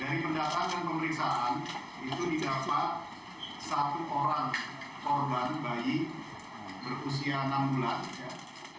dari pendataan dan pemeriksaan itu didapat satu orang korban bayi berusia enam bulan